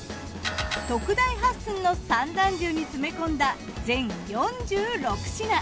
特大８寸の三段重に詰め込んだ全４６品。